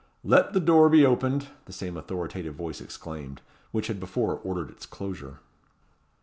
"Let the door be opened," the same authoritative voice exclaimed, which had before ordered its closure.